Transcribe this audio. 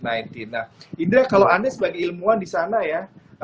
nah indra kalau anda sebagai ilmuwan di sana ya